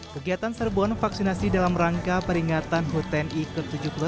kegiatan serbuan vaksinasi dalam rangka peringatan huteni ke tujuh puluh enam